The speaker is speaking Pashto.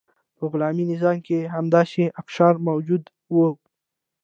په غلامي نظام کې هم داسې اقشار موجود وو.